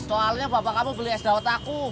soalnya bapak kamu beli es dawet aku